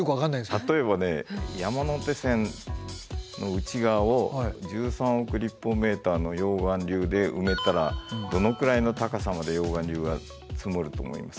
例えばね山手線の内側を１３億の溶岩流で埋めたらどのくらいの高さまで溶岩流が積もると思います？